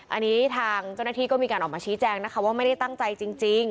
อันนี้ทางเจ้าหน้าที่ก็มีการออกมาชี้แจงนะคะว่าไม่ได้ตั้งใจจริง